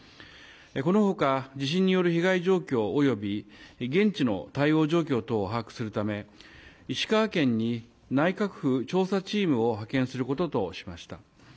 このほか、地震による被害状況および現地の対応状況等を把握するため、石川県に内閣府調査チームを派遣することとしました。